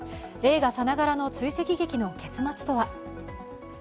映画さながらの追跡劇の結末とは？